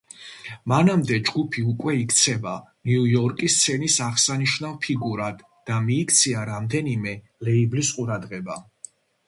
მანამდე ჯგუფი უკვე იქცევა ნიუ-იორკის სცენის აღსანიშნავ ფიგურად და მიიქცია რამდენიმე ლეიბლის ყურადღება.